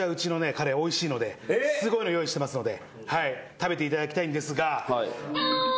カレーおいしいのですごいの用意してますので食べていただきたいんですが。